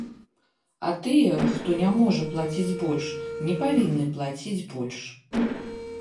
А тыя, хто не можа плаціць больш, не павінны плаціць больш.